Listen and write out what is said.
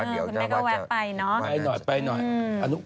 เดี๋ยวเจ้าว่าจะไปหน่อยคุณแม่ก็ว่าไปเนอะ